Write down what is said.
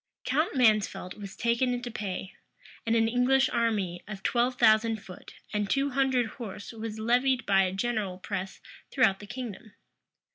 Count Mansfeldt was taken into pay; and an English army of twelve thousand foot and two hundred horse was levied by a general press throughout the kingdom.